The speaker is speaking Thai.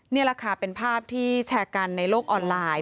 นี่แหละค่ะเป็นภาพที่แชร์กันในโลกออนไลน์